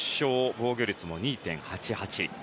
防御率も２．８８。